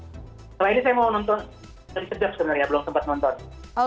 setelah ini saya mau nonton dari sedap sebenarnya belum sempat nonton